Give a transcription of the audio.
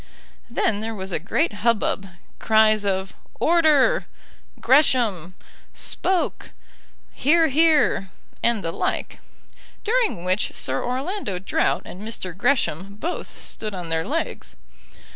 Then there was a great hubbub cries of "Order," "Gresham," "Spoke," "Hear, hear," and the like, during which Sir Orlando Drought and Mr. Gresham both stood on their legs.